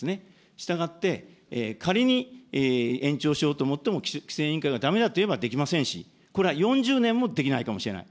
したがって、仮に延長しようと思っても、規制委員会がだめだと言えばできませんし、これは４０年もできないかもしれない。